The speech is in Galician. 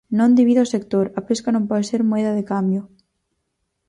Non divida o sector, a pesca non pode ser moeda de cambio.